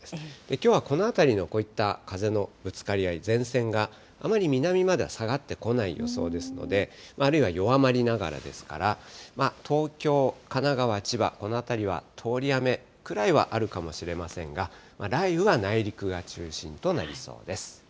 きょうはこの辺りのこういった風のぶつかり合い、前線があまり南までは下がってこない予想ですので、あるいは弱まりながらですから、東京、神奈川、千葉、この辺りは通り雨くらいはあるかもしれませんが、雷雨は内陸が中心となりそうです。